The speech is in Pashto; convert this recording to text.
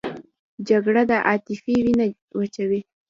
جګړه د عاطفې وینه وچوي